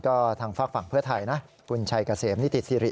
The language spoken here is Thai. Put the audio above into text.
ก็ทางฟากฝั่งเพื่อไทยคุณชัยกาเสมนิติศิริ